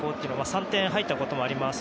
３点入ったこともあります。